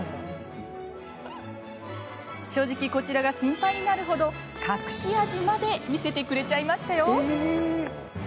正直こちらが心配になるほど隠し味まで見せてくれちゃいましたよ。